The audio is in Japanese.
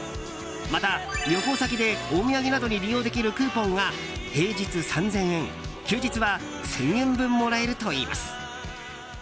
また、旅行先でお土産などに利用できるクーポンが平日３０００円休日は１０００円分もらえるといいます。